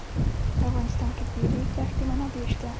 په افغانستان کې د د ریګ دښتې منابع شته.